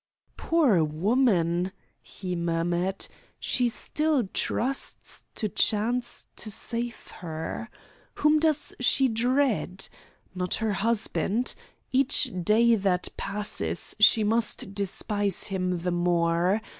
"Poor woman!" he murmured. "She still trusts to chance to save her. Whom does she dread? Not her husband. Each day that passes she must despise him the more.